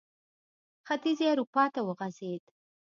ختیځې اروپا ته وغځېد.